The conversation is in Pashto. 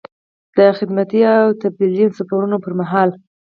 د خدمتي او تبدیلي سفرونو پر مهال.